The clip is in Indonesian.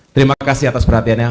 terima kasih atas perhatiannya